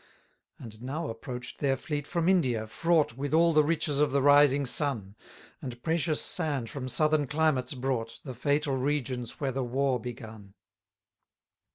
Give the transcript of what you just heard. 24 And now approach'd their fleet from India, fraught With all the riches of the rising sun: And precious sand from southern climates brought, The fatal regions where the war begun.